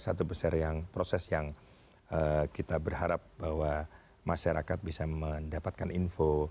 satu besar yang proses yang kita berharap bahwa masyarakat bisa mendapatkan info